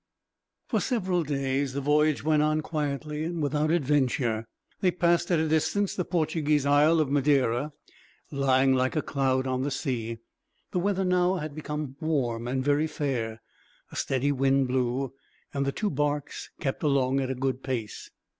For several days the voyage went on quietly, and without adventure. They passed at a distance the Portuguese Isle of Madeira, lying like a cloud on the sea. The weather now had become warm and very fair, a steady wind blew, and the two barks kept along at a good pace.